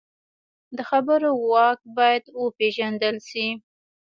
د خبرو واک باید وپېژندل شي